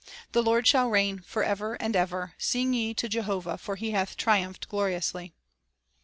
' The Lord shall reign forever and ever. ... Sing ye to Jehovah, for He hath triumphed gloriously."